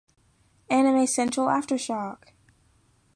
Anime Central Aftershock!